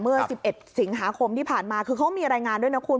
เมื่อ๑๑สิงหาคมที่ผ่านมาคือเขามีรายงานด้วยนะคุณ